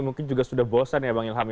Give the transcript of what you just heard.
mungkin juga sudah bosan ya bang ilham ya